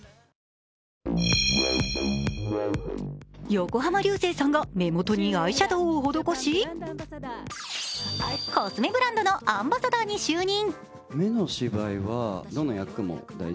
横浜流星さんが目元にアイシャドウを施しコスメブランドのアンバサダーに就任。